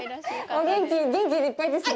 お元気、元気いっぱいですね。